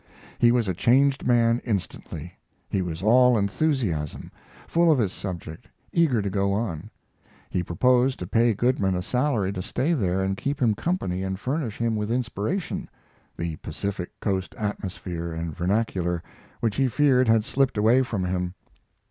He was a changed man instantly. He was all enthusiasm, full of his subject, eager to go on. He proposed to pay Goodman a salary to stay there and keep him company and furnish him with inspiration the Pacific coast atmosphere and vernacular, which he feared had slipped away from him.